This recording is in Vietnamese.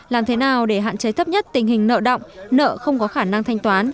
làm thế nào để hạn chế thấp nhất tình hình nợ động nợ không có khả năng thanh toán